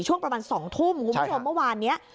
ช่วงประมาณ๒ทุ่มคุณผู้ชมเมื่อวานนี้